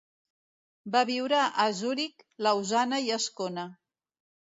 Va viure a Zuric, Lausana i Ascona.